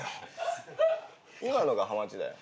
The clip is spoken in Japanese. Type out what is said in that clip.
今のがハマチだよ。